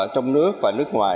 trong nước và nước ngoài